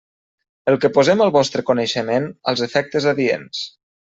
El que posem al vostre coneixement als efectes adients.